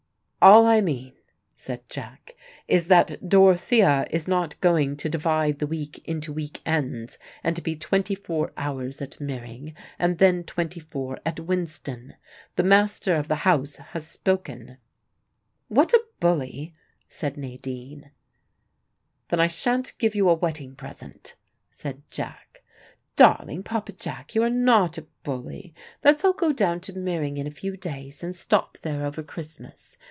"All I mean," said Jack, "is that Dorothea is not going to divide the week into week ends, and be twenty four hours at Meering and then twenty four at Winston. The master of the house has spoken." "What a bully!" said Nadine. "Then I shan't give you a wedding present," said Jack. "Darling Papa Jack, you are not a bully. Let's all go down to Meering in a few days, and stop there over Christmas.